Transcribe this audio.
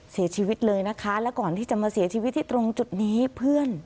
เสียชีวิตเลยนะคะแล้วก่อนที่จะมาเสียชีวิตที่ตรงจุดนี้เพื่อน